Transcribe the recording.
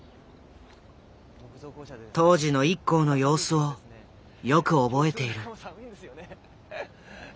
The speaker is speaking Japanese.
当時のＩＫＫＯの様子をよく覚えている。